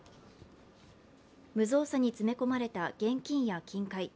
無造作に詰め込まれた現金や金塊。